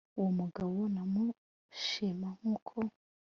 uwo mugabo namushima nk'uko